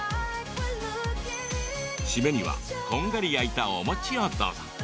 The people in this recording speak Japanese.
締めには、こんがり焼いたお餅をどうぞ。